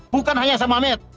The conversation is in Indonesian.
bukan hanya sam ahmed